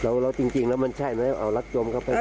อ๋ออ๋ออืมแล้วแล้วจริงจริงแล้วมันใช่ไหมเอาลักษณ์จมเข้าไปฟัง